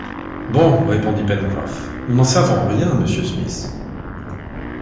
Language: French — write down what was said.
Bon! répondit Pencroff, nous n’en savons rien, monsieur Smith !